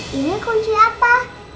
terus ini kunci apa